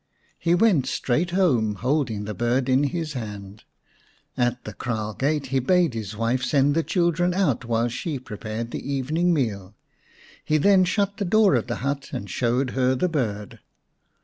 He went straight home, holding the bird in his hand. At the kraal gate he bade his wife send the children out while she prepared the evening meal. He then shut the door of the hut and showed her the bird.